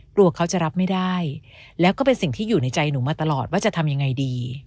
กลัวเขาจะรับไม่ได้แล้วก็เป็นสิ่งที่อยู่ในใจหนูมาตลอดว่าจะทำยังไงดี